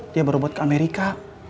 dia baru buat ke amerika